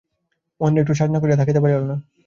মহেন্দ্র একটু সাজ না করিয়া থাকিতে পারিল না।